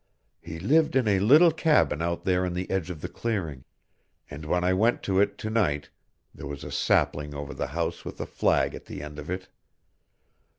He lived in a little cabin out there on the edge of the clearing, and when I went to it to night there was a sapling over the house with a flag at the end of it.